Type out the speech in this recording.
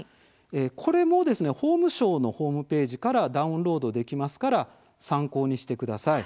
これも法務省のホームページからダウンロードできますから参考にしてください。